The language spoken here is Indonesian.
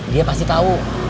dia pasti tau